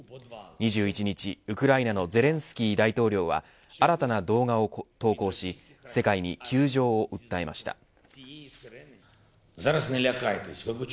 ２１日、ウクライナのゼレンスキー大統領は新たな動画を投稿し世界に窮状を訴えました。